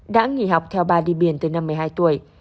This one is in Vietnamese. đã nghỉ học theo bà đi biển từ năm một mươi hai tuổi